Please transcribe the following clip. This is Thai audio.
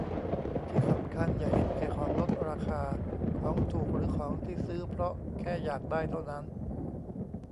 ที่สำคัญอย่าเห็นแก่ของลดราคา ของถูก หรือของที่ซื้อเพราะแค่อยากได้เท่านั้น